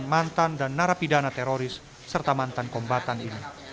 mantan dan narapidana teroris serta mantan kombatan ini